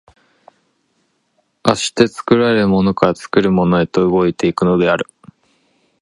而して作られたものから作るものへと動いて行くのである。